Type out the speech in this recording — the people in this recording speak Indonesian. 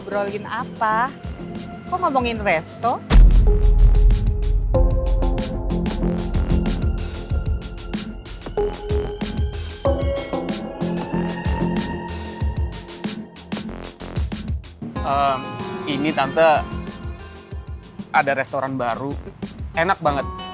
ehm ini tante ada restoran baru enak banget